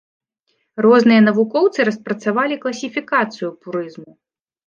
Розныя навукоўцы распрацавалі класіфікацыю пурызму.